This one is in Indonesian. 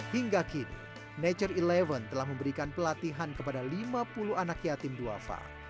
hingga kini nature sebelas telah memberikan pelatihan kepada lima puluh anak yatim duafa